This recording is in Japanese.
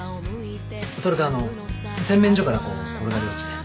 それかあの洗面所からこう転がり落ちて。